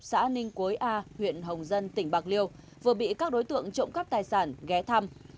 tỉnh quối a huyện hồng dân tỉnh bạc liêu vừa bị các đối tượng trộm cắp tài sản ghé thăm